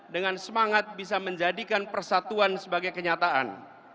dengan semangat bisa menjadikan persatuan sebagai kenyataan